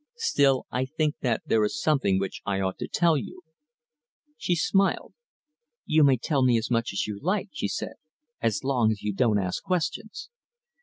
Still, I think that there is something which I ought to tell you." She smiled. "You may tell me as much as you like," she said, "as long as you don't ask questions."